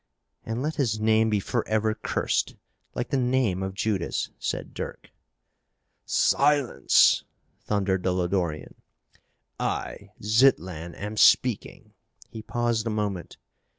"And let his name be forever cursed, like the name of Judas," said Dirk. "Silence!" thundered the Lodorian. "I, Zitlan, am speaking." He paused a moment.